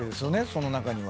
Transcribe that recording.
その中には。